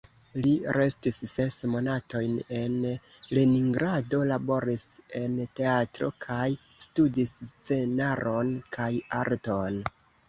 Li restis ses monatojn en Leningrado, laboris en teatro kaj studis scenaron kaj arton.